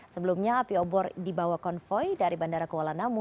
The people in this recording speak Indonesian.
sebelumnya api obor dibawa konvoy dari bandara kuala namu